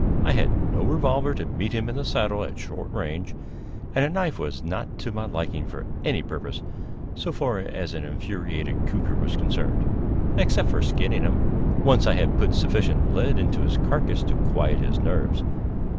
I had no revolver to meet him in the saddle at short range, and a knife was not to my liking for any purpose, so far as an infuriated cougar was concerned, except for skinning him, once I had put sufficient lead into his carcass to quiet his nerves.